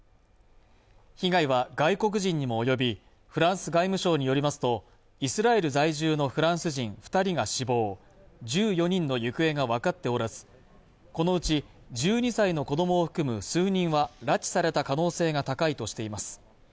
被害は外国人にも及びフランス外務省によりますとイスラエル在住のフランス人二人が死亡１４人の行方が分かっておらずこのうち１２歳の子どもを含む数人は拉致された可能性が高いとしています